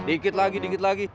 dikit lagi dikit lagi